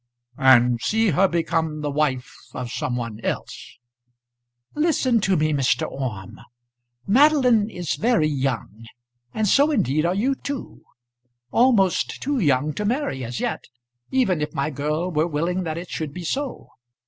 "And see her become the wife of some one else." "Listen to me, Mr. Orme. Madeline is very young. And so indeed are you too; almost too young to marry as yet, even if my girl were willing that it should be so.